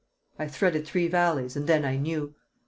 I threaded three valleys, and then I knew.